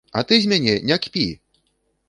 А ты з мяне не кпі!